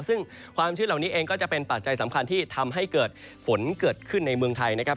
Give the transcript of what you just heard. ซึ่งความชื้นเหล่านี้เองก็จะเป็นปัจจัยสำคัญที่ทำให้เกิดฝนเกิดขึ้นในเมืองไทยนะครับ